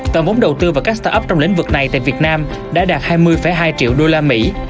tổng bốn đầu tư vào các start up trong lĩnh vực này tại việt nam đã đạt hai mươi hai triệu usd